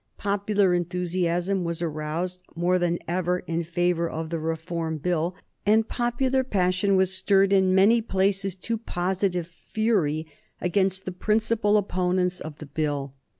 Popular enthusiasm was aroused more than ever in favor of the Reform Bill, and popular passion was stirred in many places to positive fury against the principal opponents of the Bill.